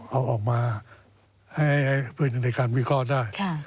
เอาออกมาให้ฝึกในการวิกรอดได้